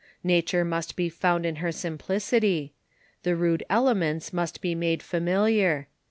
Nature must be found in her sim plicity. The rude elements must be made familiar.